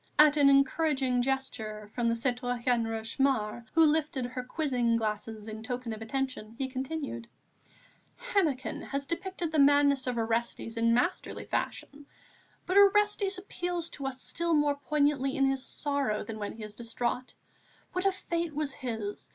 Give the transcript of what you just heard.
At an encouraging gesture from the citoyenne Rochemaure, who lifted her quizzing glasses in token of attention, he continued: "Hennequin has depicted the madness of Orestes in masterly fashion. But Orestes appeals to us still more poignantly in his sorrow than when he is distraught. What a fate was his!